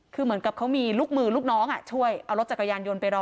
คือเหมือนกับเขามีลูกมือลูกน้องช่วยเอารถจักรยานยนต์ไปรอ